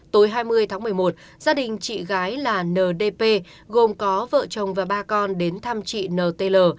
tối hai mươi tháng một mươi một gia đình chị gái là n d p gồm có vợ chồng và ba con đến thăm chị n t l